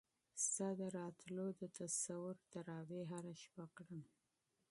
ستا د راتلو د تصور تراوېح هره شپه کړم